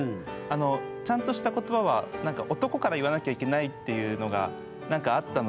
あのちゃんとした言葉は男から言わなきゃいけないっていうのがあったので。